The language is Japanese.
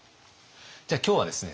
じゃあ今日はですね